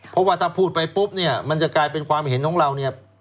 เพราะว่าถ้าพูดไปปุ๊บเนี่ยมันจะกลายเป็นความเห็นของเราเนี่ย